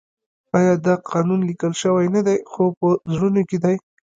آیا دا قانون لیکل شوی نه دی خو په زړونو کې دی؟